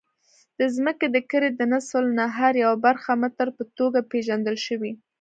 د ځمکې د کرې د نصف النهار یوه برخه متر په توګه پېژندل شوې.